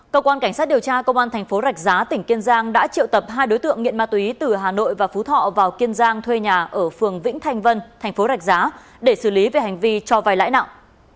cơ quan cảnh sát điều tra công an thành phố rạch giá tỉnh kiên giang đã triệu tập hai đối tượng nghiện ma túy từ hà nội và phú thọ vào kiên giang thuê nhà ở phường vĩnh thanh vân thành phố rạch giá để xử lý về hành vi cho vai lãi nặng